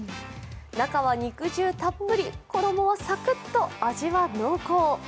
中は肉汁たっぷり、衣はサクッと、味は濃厚。